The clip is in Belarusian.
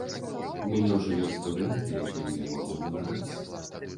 У мяне ўжо ёсць студэнты, якімі я магу ганарыцца.